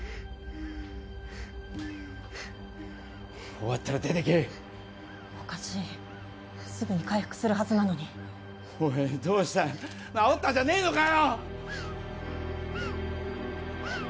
終わったら出てけおかしいすぐに回復するはずなのにおいどうした治ったんじゃねえのかよ！